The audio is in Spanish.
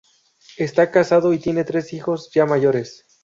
Está casado y tiene tres hijos, ya mayores.